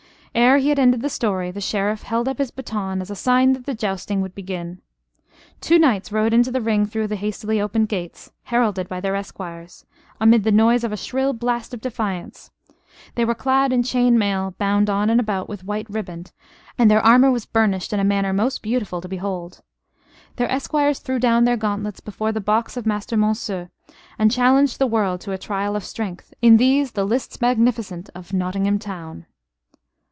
Ere he had ended the story, the Sheriff held up his baton as a sign that the jousting would begin. Two knights rode into the ring through the hastily opened gates, heralded by their esquires amid the noise of a shrill blast of defiance. They were clad in chain mail, bound on and about with white riband, and their armor was burnished in a manner most beautiful to behold. Their esquires threw down their gauntlets before the box of Master Monceux, and challenged the world to a trial of strength in these the lists magnificent of Nottingham town.